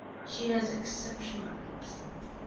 She has exceptional grades.